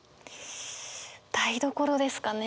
台所ですかね。